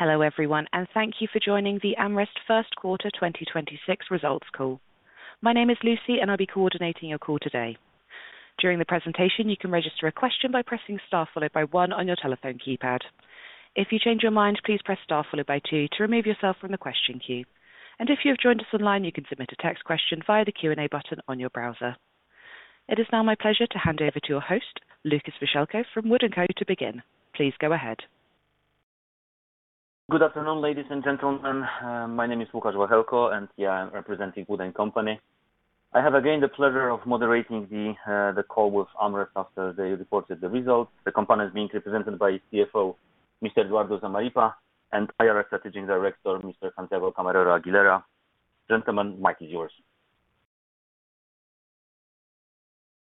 Hello, everyone, and thank you for joining the AmRest first quarter 2026 results call. My name is Lucy, and I'll be coordinating your call today. During the presentation, you can register a question by pressing star followed by one on your telephone keypad. If you change your mind, please press star followed by two to remove yourself from the question queue. If you have joined us online, you can submit a text question via the Q&A button on your browser. It is now my pleasure to hand over to your host, Łukasz Wachełko from WOOD & Company to begin. Please go ahead. Good afternoon, ladies and gentlemen. My name is Łukasz Wachełko, yeah, I'm representing WOOD & Company. I have again the pleasure of moderating the call with AmRest after they reported the results. The company is being represented by CFO, Mr. Eduardo Zamarripa and IR Strategic Director, Mr. Santiago Camarero Aguilera. Gentlemen, mic is yours.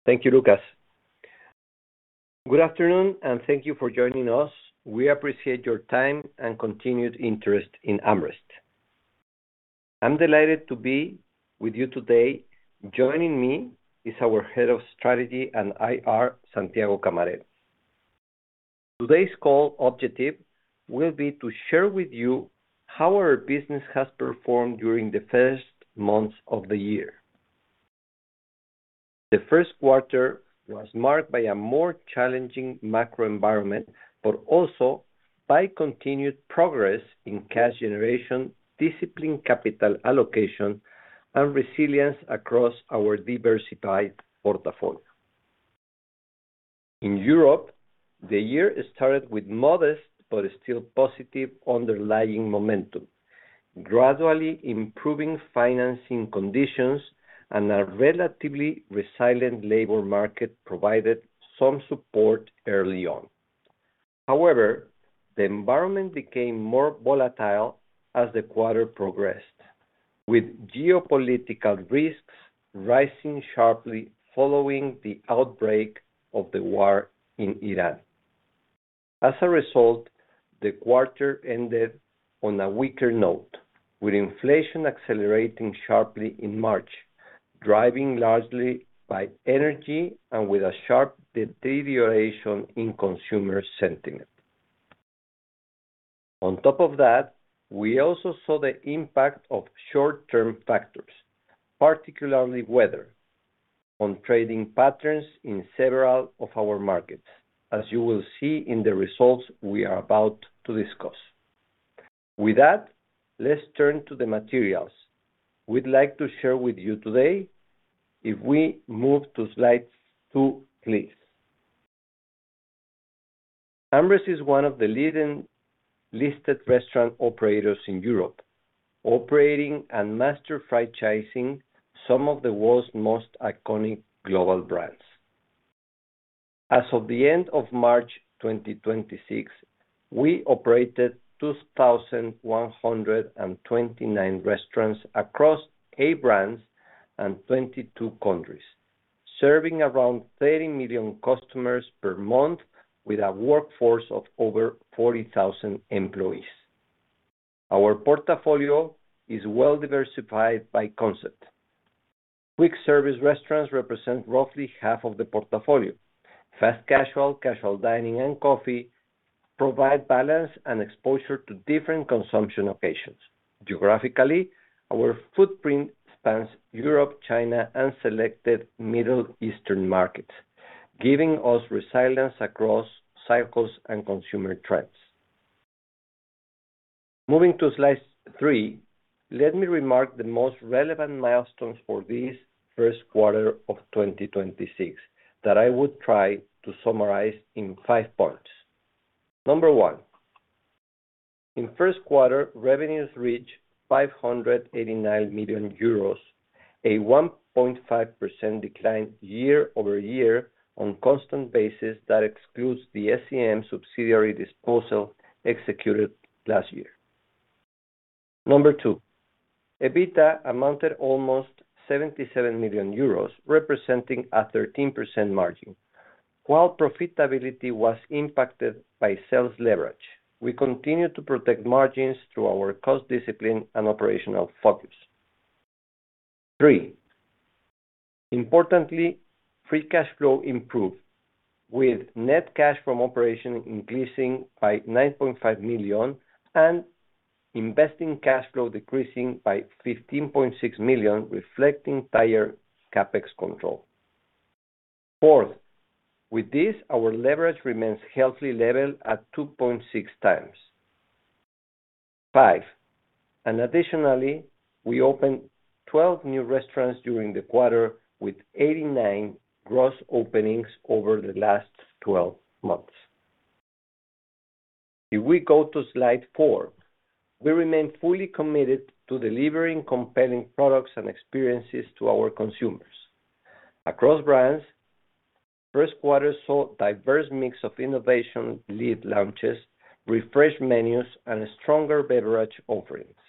Thank you, Łukasz. Good afternoon, and thank you for joining us. We appreciate your time and continued interest in AmRest. I'm delighted to be with you today. Joining me is our Head of Strategy and IR, Santiago Camarero. Today's call objective will be to share with you how our business has performed during the first months of the year. The first quarter was marked by a more challenging macro environment, but also by continued progress in cash generation, disciplined capital allocation, and resilience across our diversified portfolio. In Europe, the year started with modest but still positive underlying momentum, gradually improving financing conditions, and a relatively resilient labor market provided some support early on. However, the environment became more volatile as the quarter progressed, with geopolitical risks rising sharply following the outbreak of the war in Iran. As a result, the quarter ended on a weaker note, with inflation accelerating sharply in March, driving largely by energy and with a sharp deterioration in consumer sentiment. On top of that, we also saw the impact of short-term factors, particularly weather, on trading patterns in several of our markets, as you will see in the results we are about to discuss. With that, let's turn to the materials we'd like to share with you today if we move to slide two, please. AmRest is one of the leading listed restaurant operators in Europe, operating and master franchising some of the world's most iconic global brands. As of the end of March 2026, we operated 2,129 restaurants across eight brands and 22 countries, serving around 30 million customers per month with a workforce of over 40,000 employees. Our portfolio is well-diversified by concept. Quick service restaurants represent roughly half of the portfolio. Fast casual, casual dining, and coffee provide balance and exposure to different consumption occasions. Geographically, our footprint spans Europe, China, and selected Middle Eastern markets, giving us resilience across cycles and consumer trends. Moving to slide three, let me remark the most relevant milestones for this first quarter of 2026 that I would try to summarize in five points. Number one, in first quarter, revenues reached 589 million euros, a 1.5% decline year-over-year on constant basis that excludes the SCM subsidiary disposal executed last year. Number two, EBITDA amounted almost 77 million euros, representing a 13% margin. While profitability was impacted by sales leverage, we continue to protect margins through our cost discipline and operational focus. Three, importantly, free cash flow improved, with net cash from operation increasing by 9.5 million and investing cash flow decreasing by 15.6 million, reflecting higher CapEx control. Four, with this, our leverage remains healthy level at 2.6x. Five, additionally, we opened 12 new restaurants during the quarter with 89 gross openings over the last 12 months. If we go to slide four, we remain fully committed to delivering compelling products and experiences to our consumers. Across brands, first quarter saw diverse mix of innovation-led launches, refreshed menus, and stronger beverage offerings.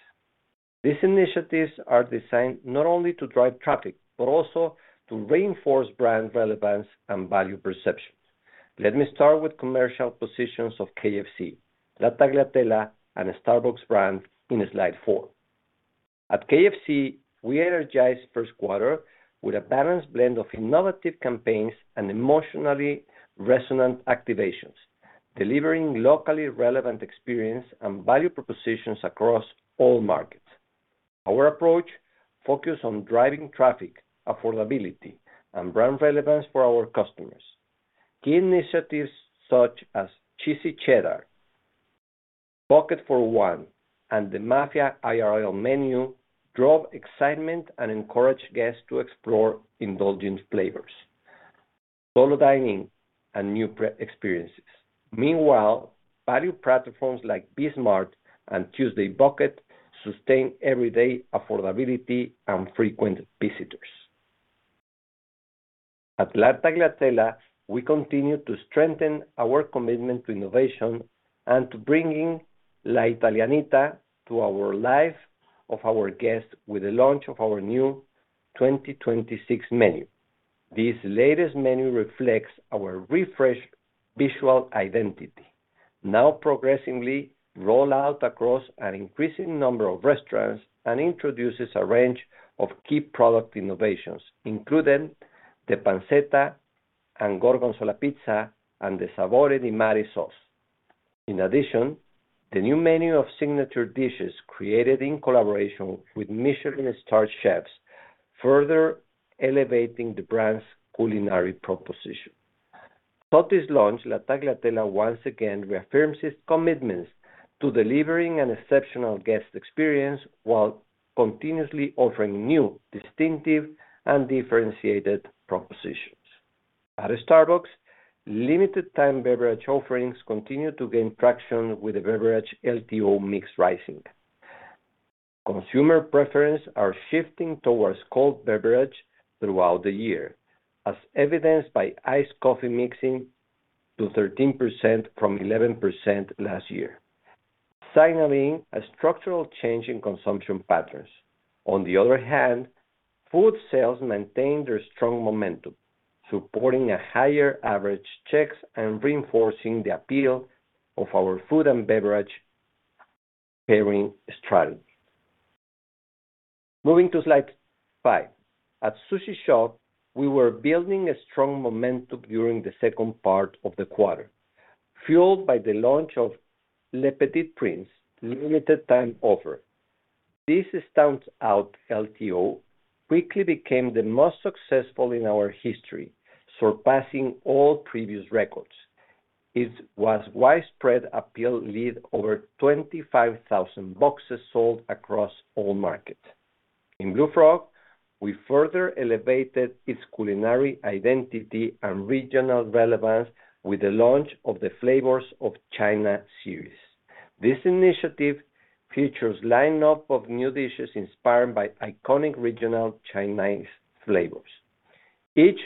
These initiatives are designed not only to drive traffic, but also to reinforce brand relevance and value perceptions. Let me start with commercial positions of KFC, La Tagliatella, and Starbucks brands in slide four. At KFC, we energized first quarter with a balanced blend of innovative campaigns and emotionally resonant activations, delivering locally relevant experience and value propositions across all markets. Our approach focus on driving traffic, affordability, and brand relevance for our customers. Key initiatives such as Cheesy Cheddar, Bucket for One, and the Mafia IRL menu drove excitement and encouraged guests to explore indulgent flavors, solo dining, and new experiences. Meanwhile, value platforms like B-Smart and Tuesday Bucket sustain everyday affordability and frequent visitors. At La Tagliatella, we continue to strengthen our commitment to innovation and to bringing L'Italianità to our life of our guests with the launch of our new 2026 menu. This latest menu reflects our refreshed visual identity, now progressively roll out across an increasing number of restaurants and introduces a range of key product innovations, including the pancetta and gorgonzola pizza and the Sapori di Mare sauce. In addition, the new menu of signature dishes created in collaboration with Michelin-starred chefs, further elevating the brand's culinary proposition. With this launch, La Tagliatella once again reaffirms its commitments to delivering an exceptional guest experience while continuously offering new, distinctive, and differentiated propositions. At Starbucks, limited time beverage offerings continue to gain traction with the beverage LTO mix rising. Consumer preference are shifting towards cold beverage throughout the year, as evidenced by iced coffee mixing to 13% from 11% last year, signaling a structural change in consumption patterns. On the other hand, food sales maintain their strong momentum, supporting a higher average checks and reinforcing the appeal of our food and beverage pairing strategy. Moving to slide five, at Sushi Shop, we were building a strong momentum during the second part of the quarter, fueled by the launch of Le Petit Prince limited time offer. This standout LTO quickly became the most successful in our history, surpassing all previous records. Its widespread appeal led to over 25,000 boxes sold across all markets. In Blue Frog, we further elevated its culinary identity and regional relevance with the launch of the Flavors of China series. This initiative features lineup of new dishes inspired by iconic regional Chinese flavors, each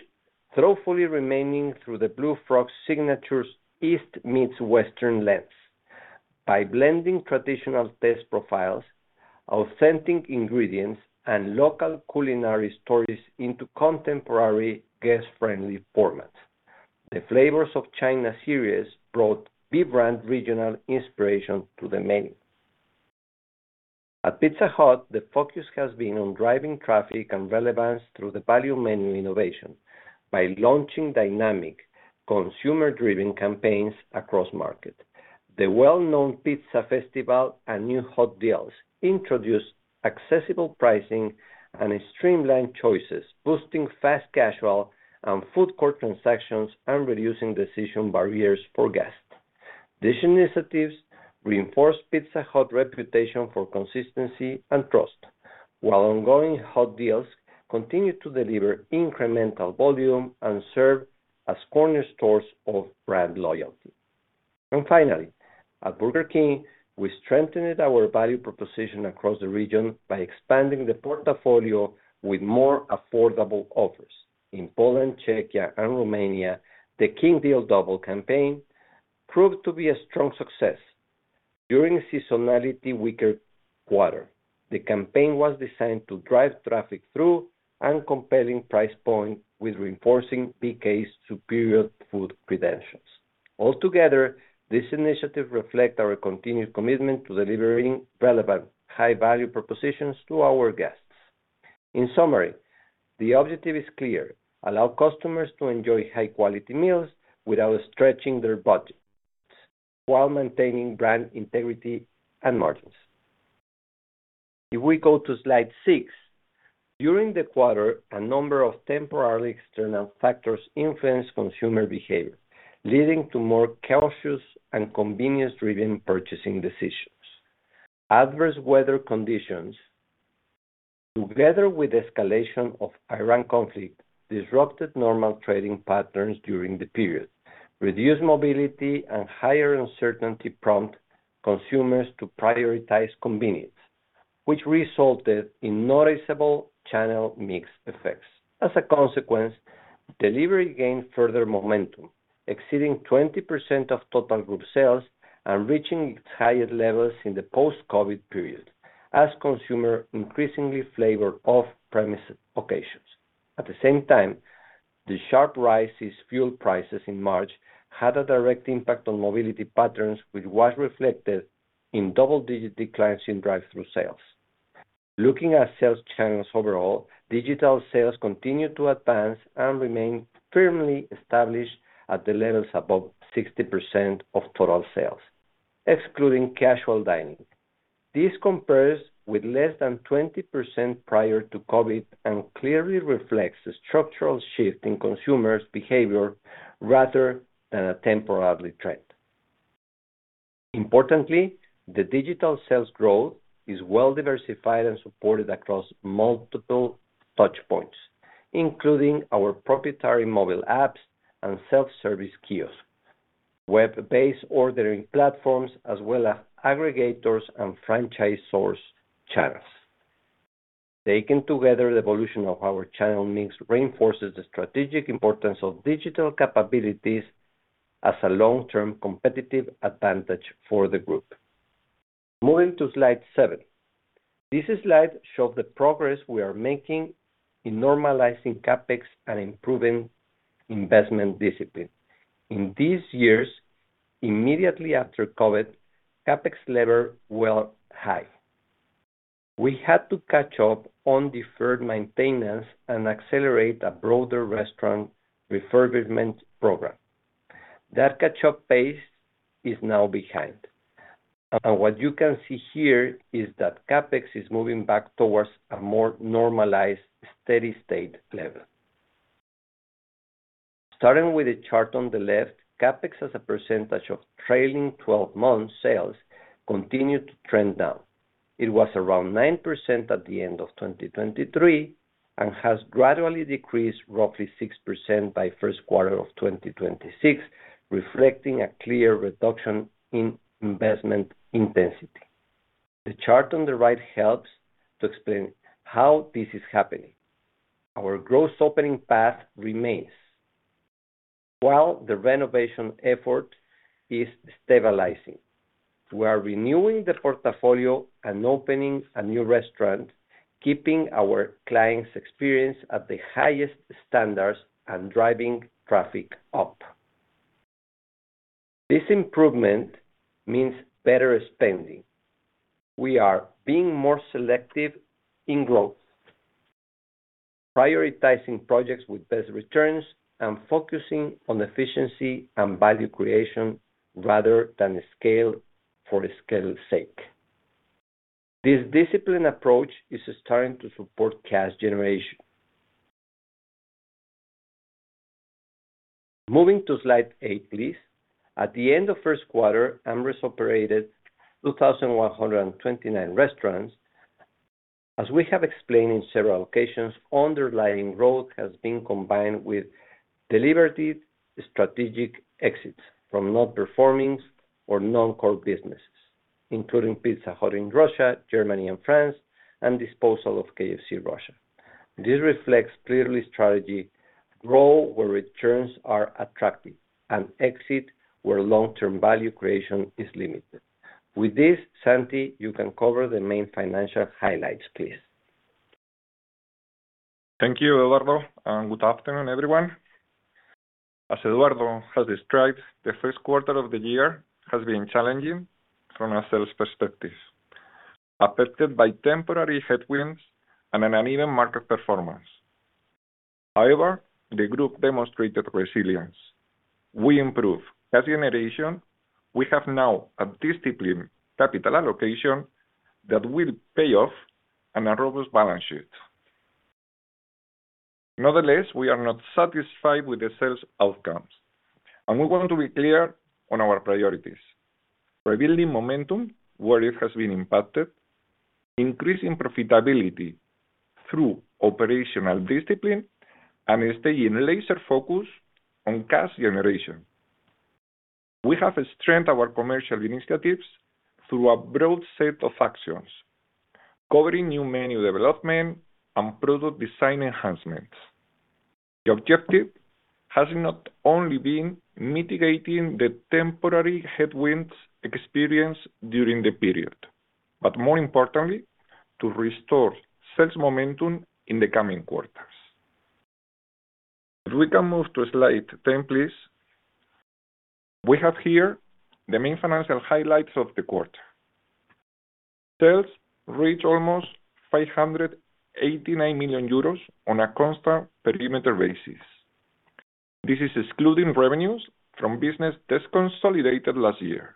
thoughtfully reimagined through the Blue Frog's signature East-meets-Western lens by blending traditional taste profiles, authentic ingredients, and local culinary stories into contemporary guest-friendly formats. The Flavors of China series brought vibrant regional inspiration to the menu. At Pizza Hut, the focus has been on driving traffic and relevance through the value menu innovation by launching dynamic consumer-driven campaigns across market. The well-known Pizza Festival and new hot deals introduced accessible pricing and streamlined choices, boosting fast casual and food court transactions and reducing decision barriers for guests. These initiatives reinforce Pizza Hut reputation for consistency and trust, while ongoing hot deals continue to deliver incremental volume and serve as cornerstones of brand loyalty. Finally, at Burger King, we strengthened our value proposition across the region by expanding the portfolio with more affordable offers. In Poland, Czechia, and Romania, the King Deal Double campaign proved to be a strong success during seasonality weaker quarter. The campaign was designed to drive traffic through and compelling price point with reinforcing BK's superior food credentials. Altogether, this initiative reflect our continued commitment to delivering relevant high-value propositions to our guests. In summary, the objective is clear: allow customers to enjoy high-quality meals without stretching their budget, while maintaining brand integrity and margins. If we go to slide six. During the quarter, a number of temporary external factors influenced consumer behavior, leading to more cautious and convenience-driven purchasing decisions. Adverse weather conditions, together with the escalation of Iran conflict, disrupted normal trading patterns during the period. Reduced mobility and higher uncertainty prompt consumers to prioritize convenience, which resulted in noticeable channel mix effects. As a consequence, delivery gained further momentum, exceeding 20% of total group sales and reaching its highest levels in the post-COVID period as consumer increasingly favor off-premise occasions. At the same time, the sharp rise in fuel prices in March had a direct impact on mobility patterns, which was reflected in double-digit declines in drive-thru sales. Looking at sales channels overall, digital sales continued to advance and remain firmly established at the levels above 60% of total sales, excluding casual dining. This compares with less than 20% prior to COVID, and clearly reflects a structural shift in consumers' behavior rather than a temporary trend. Importantly, the digital sales growth is well diversified and supported across multiple touchpoints, including our proprietary mobile apps and self-service kiosks, web-based ordering platforms, as well as aggregators and franchise source channels. Taken together, the evolution of our channel mix reinforces the strategic importance of digital capabilities as a long-term competitive advantage for the group. Moving to slide seven. This slide shows the progress we are making in normalizing CapEx and improving investment discipline. In these years, immediately after COVID, CapEx level were high. We had to catch up on deferred maintenance and accelerate a broader restaurant refurbishment program. That catch-up pace is now behind, and what you can see here is that CapEx is moving back towards a more normalized, steady state level. Starting with the chart on the left, CapEx as a percentage of trailing 12 months sales continued to trend down. It was around 9% at the end of 2023, and has gradually decreased roughly 6% by first quarter of 2026, reflecting a clear reduction in investment intensity. The chart on the right helps to explain how this is happening. Our growth opening path remains, while the renovation effort is stabilizing. We are renewing the portfolio and opening a new restaurant, keeping our clients' experience at the highest standards and driving traffic up. This improvement means better spending. We are being more selective in growth, prioritizing projects with best returns, and focusing on efficiency and value creation rather than scale for scale's sake. This disciplined approach is starting to support cash generation. Moving to slide eight, please. At the end of first quarter, AmRest operated 2,129 restaurants. As we have explained in several occasions, underlying growth has been combined with deliberative strategic exits from non-performing or non-core businesses, including Pizza Hut in Russia, Germany and France, and disposal of KFC Russia. This reflects clearly strategy grow where returns are attractive and exit where long-term value creation is limited. With this, Santi, you can cover the main financial highlights, please. Thank you, Eduardo. Good afternoon, everyone. As Eduardo has described, the first quarter of the year has been challenging from a sales perspective, affected by temporary headwinds and an uneven market performance. However, the group demonstrated resilience. We improved cash generation. We have now a disciplined capital allocation that will pay off and a robust balance sheet. Nonetheless, we are not satisfied with the sales outcomes, and we want to be clear on our priorities. Rebuilding momentum where it has been impacted, increasing profitability through operational discipline, and staying laser-focused on cash generation. We have strengthened our commercial initiatives through a broad set of actions, covering new menu development and product design enhancements. The objective has not only been mitigating the temporary headwinds experienced during the period, but more importantly, to restore sales momentum in the coming quarters. If we can move to slide 10, please. We have here the main financial highlights of the quarter. Sales reached almost 589 million euros on a constant perimeter basis. This is excluding revenues from business deconsolidated last year.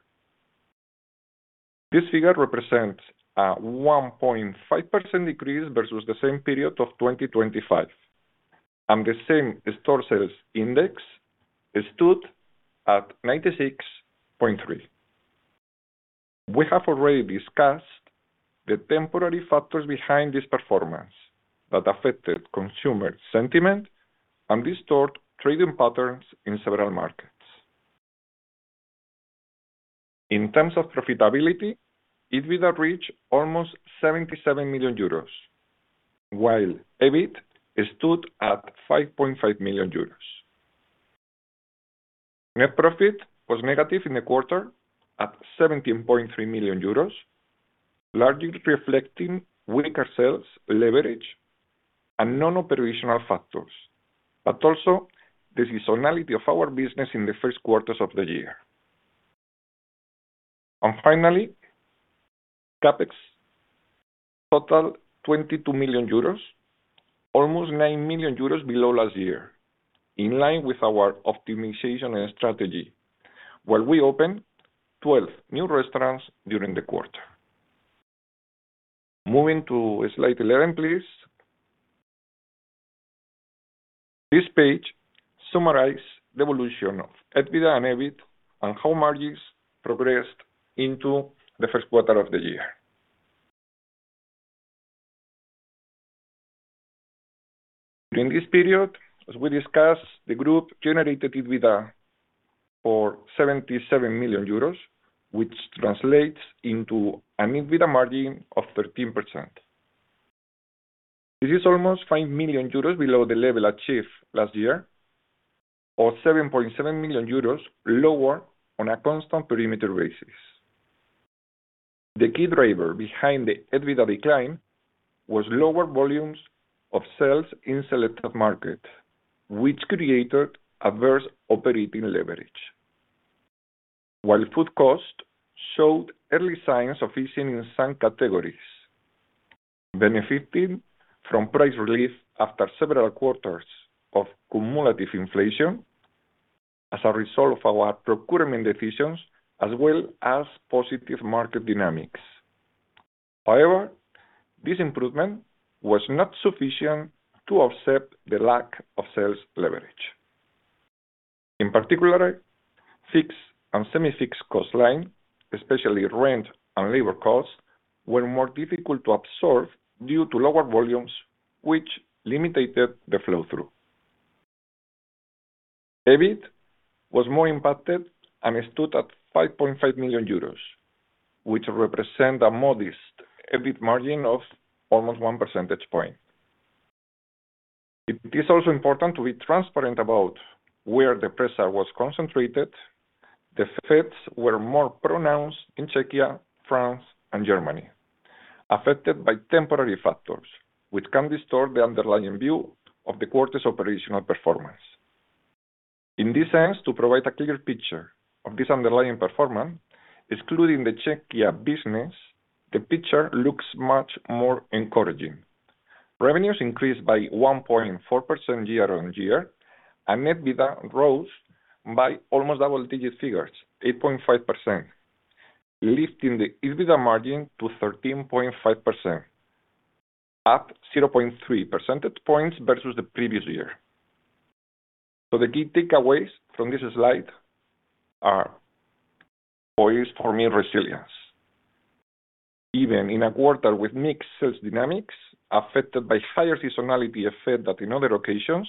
This figure represents a 1.5% decrease versus the same period of 2025, and the same-store sales index stood at 96.3. We have already discussed the temporary factors behind this performance that affected consumer sentiment and distort trading patterns in several markets. In terms of profitability, EBITDA reached almost 77 million euros, while EBIT stood at 5.5 million euros. Net profit was negative in the quarter at 17.3 million euros, largely reflecting weaker sales leverage and non-operational factors, but also the seasonality of our business in the first quarters of the year. Finally, CapEx totaled 22 million euros, almost 9 million euros below last year, in line with our optimization and strategy, where we opened 12 new restaurants during the quarter. Moving to slide 11, please. This page summarize the evolution of EBITDA and EBIT and how margins progressed into the first quarter of the year. During this period, as we discussed, the group generated EBITDA for 77 million euros, which translates into an EBITDA margin of 13%. This is almost 5 million euros below the level achieved last year, or 7.7 million euros lower on a constant perimeter basis. The key driver behind the EBITDA decline was lower volumes of sales in selected market, which created adverse operating leverage. While food cost showed early signs of easing in some categories, benefiting from price relief after several quarters of cumulative inflation as a result of our procurement decisions as well as positive market dynamics. However, this improvement was not sufficient to offset the lack of sales leverage. In particular, fixed and semi-fixed cost line, especially rent and labor costs, were more difficult to absorb due to lower volumes, which limited the flow-through. EBIT was more impacted and it stood at 5.5 million euros, which represent a modest EBIT margin of almost 1 percentage point. It is also important to be transparent about where the pressure was concentrated. The effects were more pronounced in Czechia, France, and Germany, affected by temporary factors, which can distort the underlying view of the quarter's operational performance. In this sense, to provide a clear picture of this underlying performance, excluding the Czechia business, the picture looks much more encouraging. Revenues increased by 1.4% year-on-year, and EBITDA rose by almost double-digit figures, 8.5%, lifting the EBITDA margin to 13.5%, up 0.3 percentage points versus the previous year. The key takeaways from this slide are poised for me resilience. Even in a quarter with mixed sales dynamics affected by higher seasonality effect that in other occasions,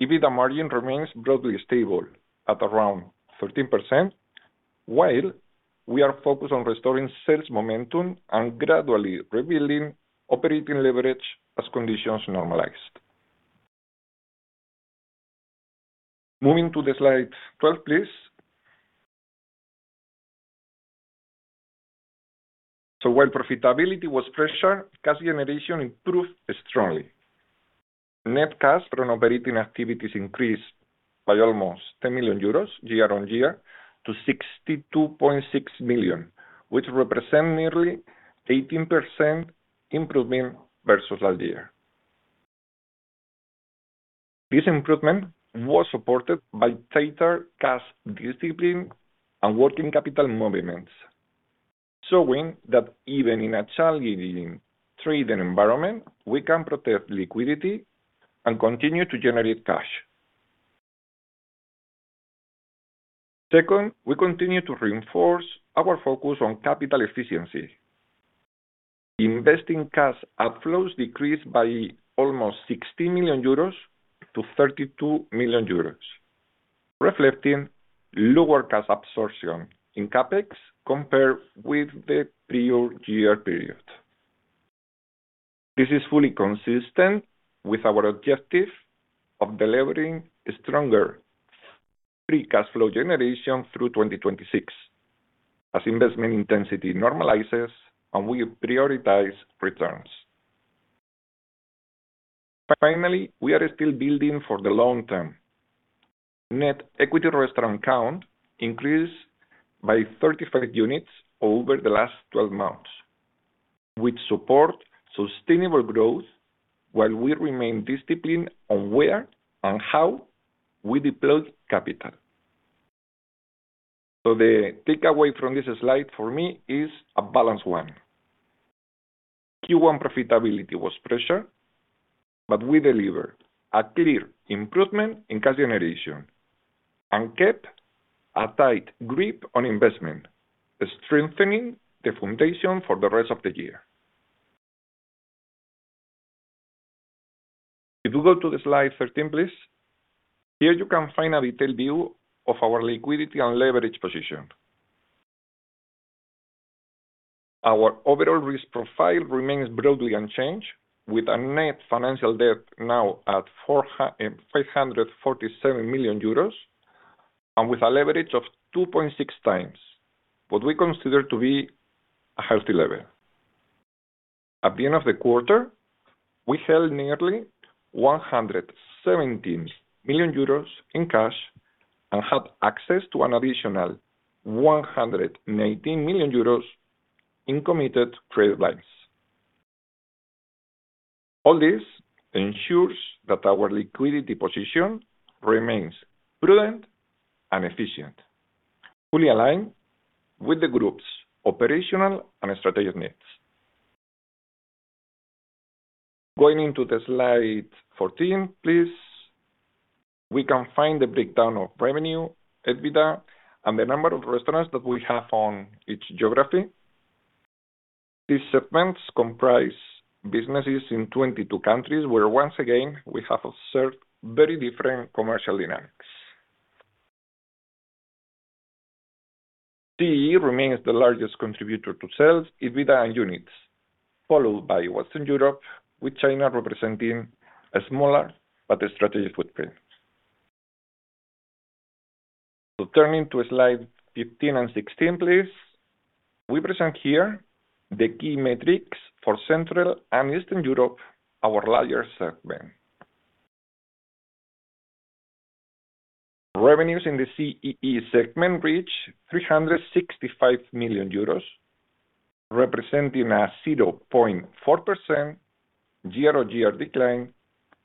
EBITDA margin remains broadly stable at around 13%, while we are focused on restoring sales momentum and gradually rebuilding operating leverage as conditions normalize. Moving to the slide 12, please. While profitability was pressured, cash generation improved strongly. Net cash from operating activities increased by almost 10 million euros year-on-year to 62.6 million, which represent nearly 18% improvement versus last year. This improvement was supported by tighter cash discipline and working capital movements, showing that even in a challenging trading environment, we can protect liquidity and continue to generate cash. Second, we continue to reinforce our focus on capital efficiency. Investing cash outflows decreased by almost 16 million euros to 32 million euros, reflecting lower cash absorption in CapEx compared with the prior year period. This is fully consistent with our objective of delivering stronger free cash flow generation through 2026 as investment intensity normalizes and we prioritize returns. Finally, we are still building for the long term. Net equity restaurant count increased by 35 units over the last 12 months, which support sustainable growth while we remain disciplined on where and how we deploy capital. The takeaway from this slide for me is a balanced one. Q1 profitability was pressured, but we delivered a clear improvement in cash generation and kept a tight grip on investment, strengthening the foundation for the rest of the year. If you go to the slide 13, please. Here you can find a detailed view of our liquidity and leverage position. Our overall risk profile remains broadly unchanged, with a net financial debt now at 547 million euros, and with a leverage of 2.6x, what we consider to be a healthy level. At the end of the quarter, we held nearly 117 million euros in cash and have access to an additional 118 million euros in committed credit lines. All this ensures that our liquidity position remains prudent and efficient, fully aligned with the group's operational and strategic needs. Going into the slide 14, please. We can find the breakdown of revenue, EBITDA, and the number of restaurants that we have on each geography. These segments comprise businesses in 22 countries, where once again, we have observed very different commercial dynamics. CEE remains the largest contributor to sales, EBITDA, and units, followed by Western Europe, with China representing a smaller but strategic footprint. Turning to slide 15 and 16, please. We present here the key metrics for Central and Eastern Europe, our larger segment. Revenues in the CEE segment reached 365 million euros, representing a 0.4% year-on-year decline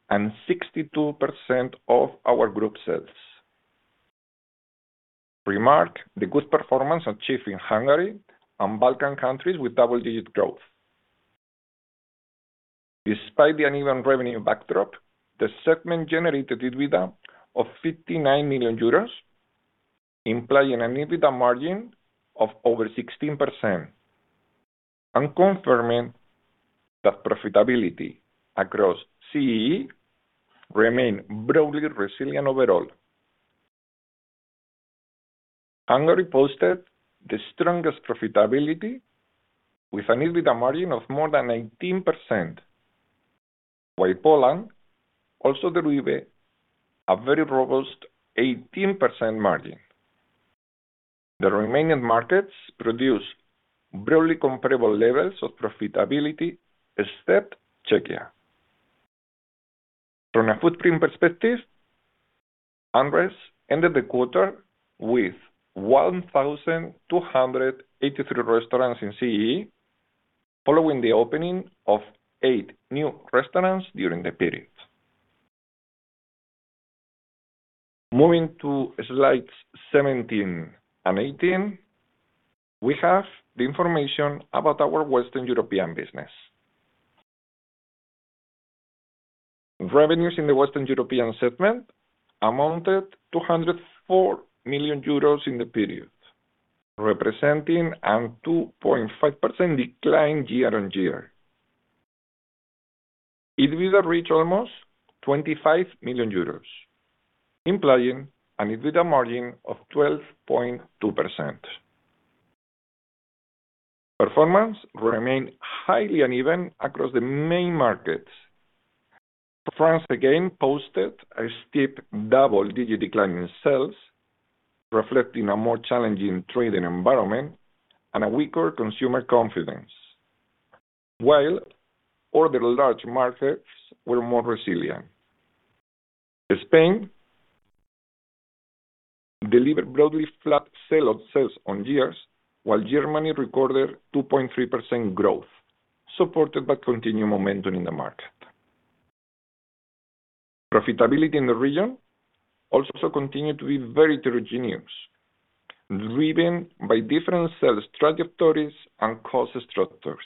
and 62% of our group sales. Remark the good performance achieved in Hungary and Balkan countries with double-digit growth. Despite the uneven revenue backdrop, the segment generated EBITDA of 59 million euros, implying an EBITDA margin of over 16% and confirming that profitability across CEE remain broadly resilient overall. Hungary posted the strongest profitability with an EBITDA margin of more than 19%, while Poland also delivered a very robust 18% margin. The remaining markets produced broadly comparable levels of profitability, except Czechia. From a footprint perspective, AmRest ended the quarter with 1,283 restaurants in CEE, following the opening of eight new restaurants during the period. Moving to slides 17 and 18, we have the information about our Western European business. Revenues in the Western European segment amounted to 104 million euros in the period, representing a 2.5% decline year-on-year. EBITDA reached almost 25 million euros, implying an EBITDA margin of 12.2%. Performance remained highly uneven across the main markets. France again posted a steep double-digit decline in sales, reflecting a more challenging trading environment and a weaker consumer confidence while other large markets were more resilient. Spain delivered broadly flat sales year-on-year, while Germany recorded 2.3% growth, supported by continued momentum in the market. Profitability in the region also continued to be very heterogeneous, driven by different sales trajectories and cost structures.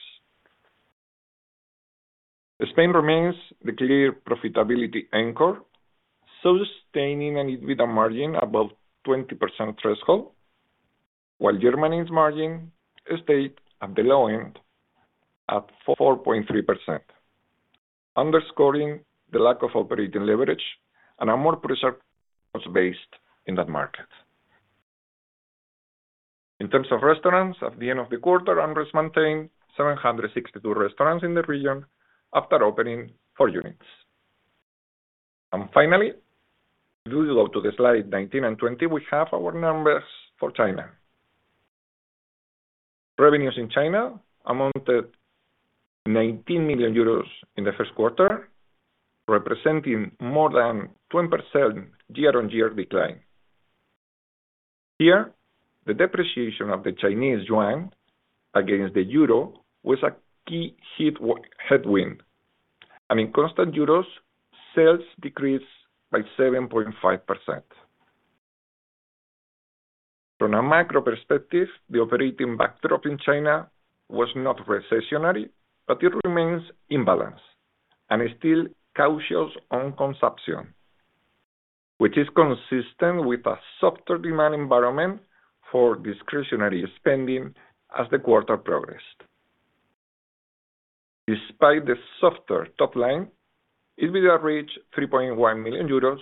Spain remains the clear profitability anchor, sustaining an EBITDA margin above 20% threshold, while Germany's margin stayed at the low end at 4.3%, underscoring the lack of operating leverage and a more pressured cost base in that market. In terms of restaurants, at the end of the quarter, AmRest maintained 762 restaurants in the region after opening four units. Finally, if you go to the slide 19 and 20, we have our numbers for China. Revenues in China amounted 19 million euros in the first quarter, representing more than 10% year-on-year decline. Here, the depreciation of the Chinese yuan against the euro was a key headwind, and in constant euros, sales decreased by 7.5%. From a macro perspective, the operating backdrop in China was not recessionary, but it remains imbalanced and is still cautious on consumption, which is consistent with a softer demand environment for discretionary spending as the quarter progressed. Despite the softer top line, EBITDA reached 3.1 million euros,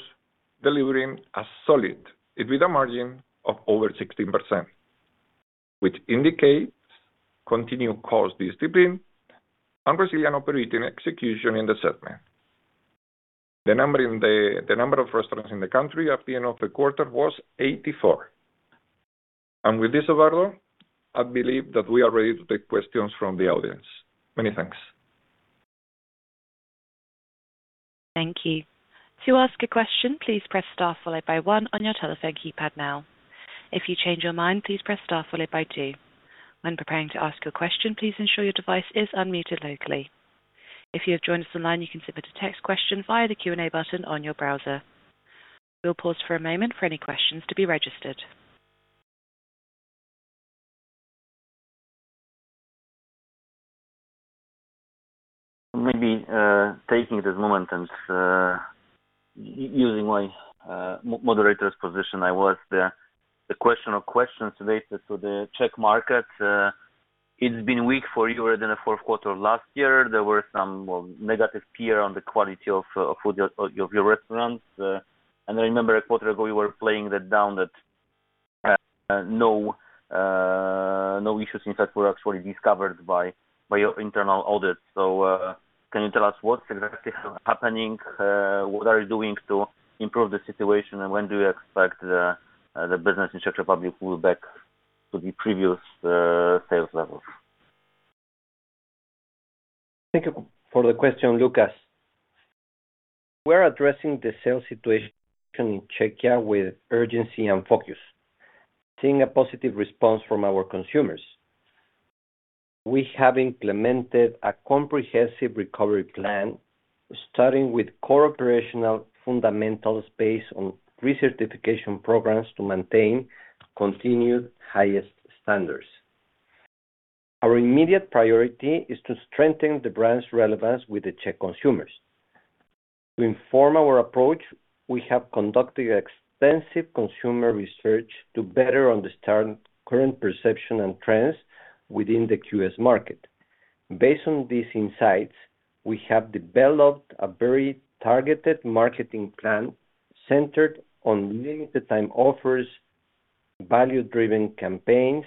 delivering a solid EBITDA margin of over 16%, which indicates continued cost discipline and resilient operating execution in the segment. The number of restaurants in the country at the end of the quarter was 84. With this, Eduardo, I believe that we are ready to take questions from the audience. Many thanks. Thank you. To ask a question, please press star followed by one on your telephone keypad now. If you change your mind, please press star followed by two. When preparing to ask your question, please ensure your device is unmuted locally. If you have joined us online, you can submit a text question via the Q&A button on your browser. We'll pause for a moment for any questions to be registered. Maybe, taking this moment and using my moderator's position, I was the question of questions related to the Czech market. It's been weak for you already in the fourth quarter of last year. There were some, well, negative peer on the quality of food at your restaurants. And I remember a quarter ago you were playing that down that no issues in fact were actually discovered by your internal audit. Can you tell us what exactly happened, what are you doing to improve the situation, and when do you expect the business in Czech Republic will be back to the previous sales levels? Thank you for the question, Łukasz. We're addressing the sales situation in Czechia with urgency and focus, seeing a positive response from our consumers. We have implemented a comprehensive recovery plan, starting with core operational fundamentals based on recertification programs to maintain continued highest standards. Our immediate priority is to strengthen the brand's relevance with the Czech consumers. To inform our approach, we have conducted extensive consumer research to better understand current perception and trends within the QSR market. Based on these insights, we have developed a very targeted marketing plan centered on limited time offers, value-driven campaigns,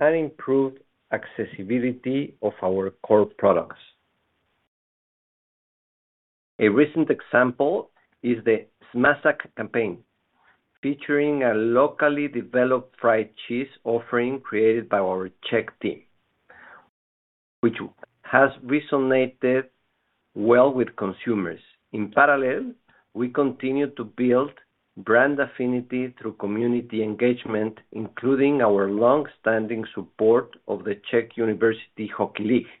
and improved accessibility of our core products. A recent example is the Smažák campaign, featuring a locally developed fried cheese offering created by our Czech team, which has resonated well with consumers. In parallel, we continue to build brand affinity through community engagement, including our long-standing support of the Czech University Hockey League.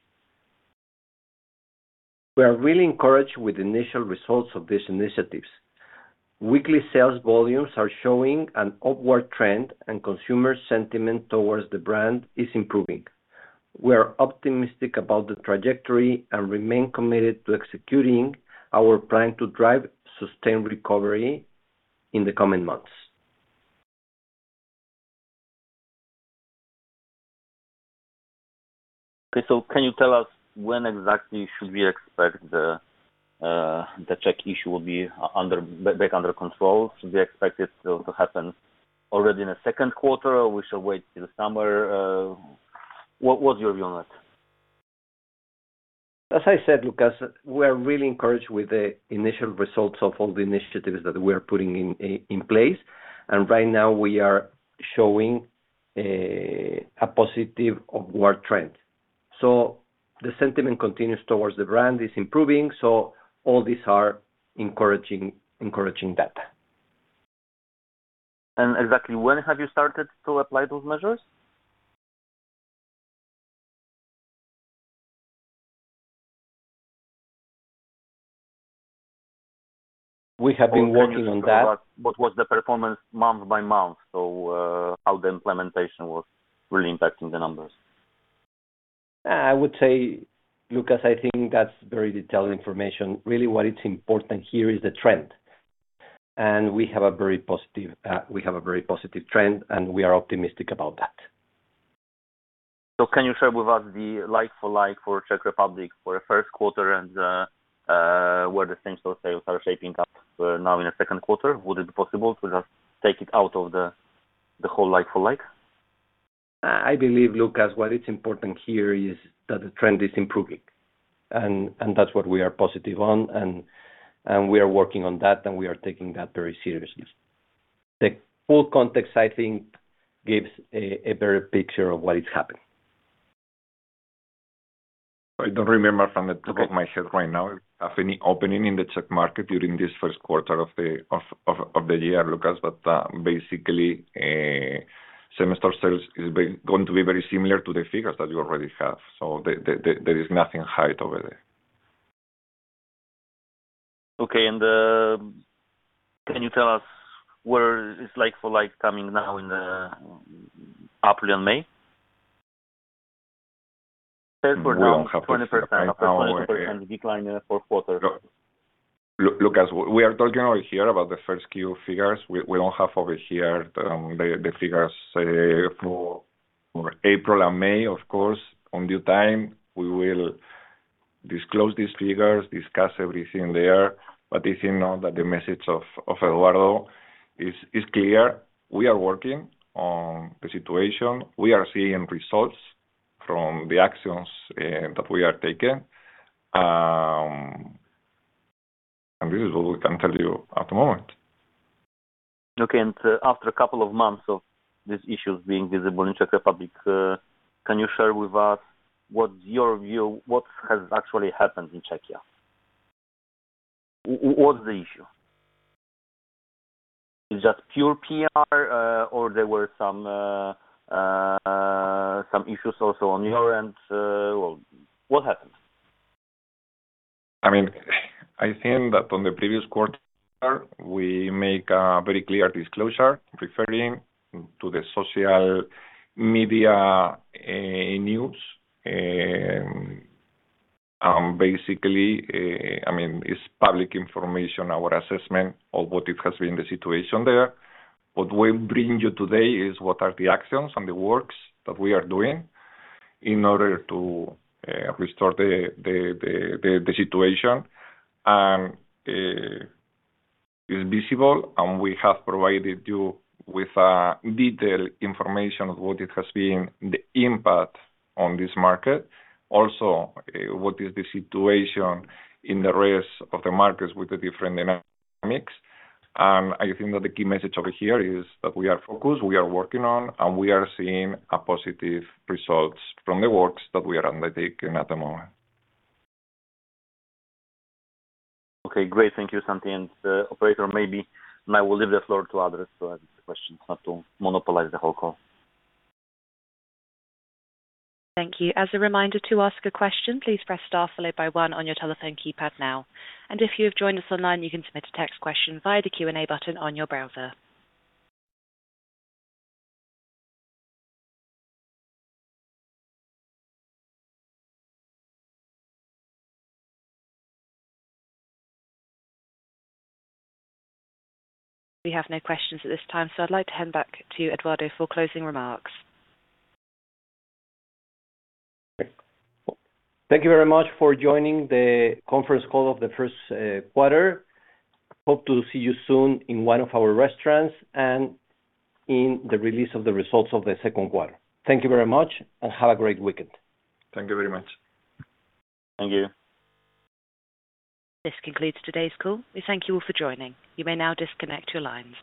We are really encouraged with initial results of these initiatives. Weekly sales volumes are showing an upward trend, and consumer sentiment towards the brand is improving. We are optimistic about the trajectory and remain committed to executing our plan to drive sustained recovery in the coming months. Okay. Can you tell us when exactly should we expect the Czech issue will be back under control? Should we expect it to happen already in the second quarter or we should wait till summer? What's your view on it? As I said, Łukasz, we are really encouraged with the initial results of all the initiatives that we are putting in place. Right now we are showing a positive upward trend. The sentiment continues towards the brand is improving. All these are encouraging data. Exactly when have you started to apply those measures? We have been working on that. Can you share what was the performance month by month? How the implementation was really impacting the numbers. I would say, Łukasz, I think that's very detailed information. Really what is important here is the trend. We have a very positive trend, we are optimistic about that. Can you share with us the like-for-like for Czech Republic for the first quarter and where the same-store sales are shaping up now in the second quarter? Would it be possible to just take it out of the whole like-for-like? I believe, Łukasz, what is important here is that the trend is improving and that's what we are positive on and we are working on that, and we are taking that very seriously. The full context, I think, gives a better picture of what is happening. I don't remember from the top of my head right now if we have any opening in the Czech market during this first quarter of the year, Łukasz. Basically, same-store sales is going to be very similar to the figures that you already have. There is nothing to hide over there. Okay. Can you tell us where is like-for-like coming now in April and May? Well, unfortunately, right now. 20% decline for quarter. Look, as we are talking over here about the first Q figures, we don't have over here the figures for April and May, of course. On due time, we will disclose these figures, discuss everything there. I think now that the message of Eduardo is clear. We are working on the situation. We are seeing results from the actions that we have taken. This is what we can tell you at the moment. Okay. After a couple of months of these issues being visible in Czech Republic, can you share with us what's your view, what has actually happened in Czechia? What's the issue? Is it just pure PR, or there were some issues also on your end? Well, what happened? I mean, I think that on the previous quarter, we make a very clear disclosure referring to the social media news. Basically, I mean, it's public information, our assessment of what it has been the situation there. What we bring you today is what are the actions and the works that we are doing in order to restore the situation. It's visible, and we have provided you with detailed information of what it has been the impact on this market. Also, what is the situation in the rest of the markets with the different dynamics. I think that the key message over here is that we are focused, we are working on, and we are seeing a positive results from the works that we are undertaking at the moment. Okay, great. Thank you, Santi. Operator, maybe now we'll leave the floor to others to ask the questions, not to monopolize the whole call. Thank you. As a reminder to ask a question, please press star followed by one on your telephone keypad now. If you have joined us online, you can submit a text question via the Q&A button on your browser. We have no questions at this time, I'd like to hand back to Eduardo for closing remarks. Thank you very much for joining the conference call of the first quarter. Hope to see you soon in one of our restaurants and in the release of the results of the second quarter. Thank you very much and have a great weekend. Thank you very much. Thank you. This concludes today's call. We thank you all for joining. You may now disconnect your lines.